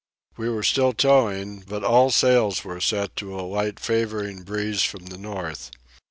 We were still towing, but all sails were set to a light favouring breeze from the north.